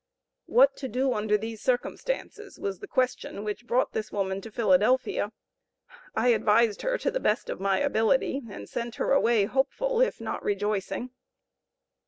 What to do under these circumstances was the question which brought this woman to Philadelphia. I advised her to the best of my ability, and sent her away hopeful, if not rejoicing.